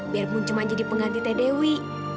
biarpun cuma jadi pengganti teh dewi